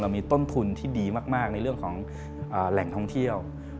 มีต้นทุนที่ดีมากในเรื่องของแหล่งท่องเที่ยว